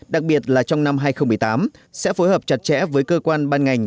đặc biệt là trong năm hai nghìn một mươi tám sẽ phối hợp chặt chẽ với cơ quan ban ngành